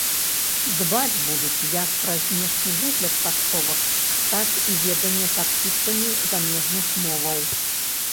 Дбаць будуць як пра знешні выгляд таксовак, так і веданне таксістамі замежных моваў.